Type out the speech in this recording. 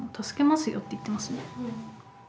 「助けますよ」って言ってますね。